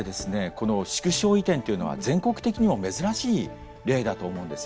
この縮小移転というのは全国的にも珍しい例だと思うんですよね。